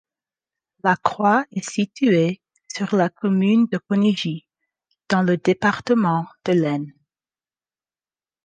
La croix est située sur la commune de Connigis, dans le département de l'Aisne.